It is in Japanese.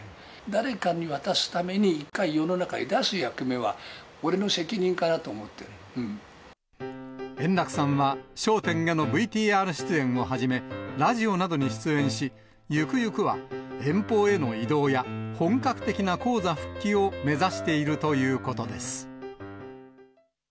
誰かに渡すために、一回世の中へ出す役目は、円楽さんは笑点へのＶＴＲ出演をはじめ、ラジオなどに出演し、ゆくゆくは、遠方への移動や本格的な高座復帰を目指しているということです。